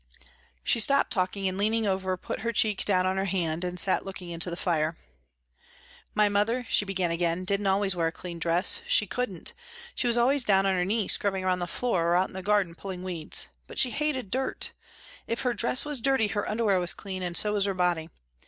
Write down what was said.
She stopped talking and leaning over put her cheek down on her hand and sat looking into the fire. "My mother," she began again, "didn't always wear a clean dress. She couldn't. She was always down on her knees scrubbing around the floor or out in the garden pulling weeds. But she hated dirt. If her dress was dirty her underwear was clean and so was her body.